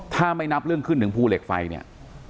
ถ้าไม่นับเรื่องขึ้นถึงภูเหล็กไฟเนี่ย